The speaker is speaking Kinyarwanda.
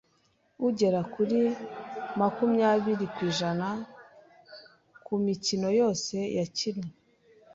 ugera kuri makumyabiri ku ijana ku mikino yose yakinwe.